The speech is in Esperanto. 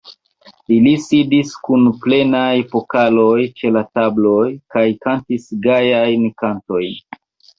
Ili sidis kun plenaj pokaloj ĉe la tabloj kaj kantis gajajn kantojn.